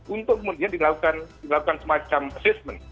untuk kemudian dilakukan semacam assessment